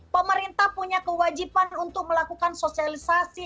pemerintah punya kewajiban untuk melakukan sosialisasi